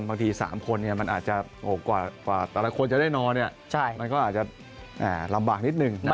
บางที๓คนมันอาจจะกว่าแต่ละคนจะได้นอนมันก็อาจจะลำบากนิดนึง